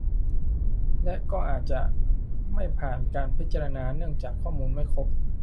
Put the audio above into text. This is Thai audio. และก็อาจจะไม่ผ่านการพิจารณาเนื่องจากข้อมูลไม่ครบ